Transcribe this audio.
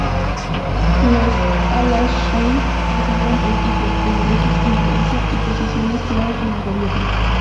Los Al ash-Sheikh recibieron prestigio, privilegios, influencia y posiciones clave en el gobierno.